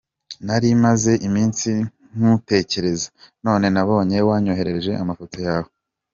Nari maze iminsi ngutekereza, none nabonye wanyoherereje amafoto yawe.